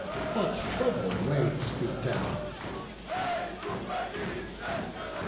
What trouble weighs thee down?"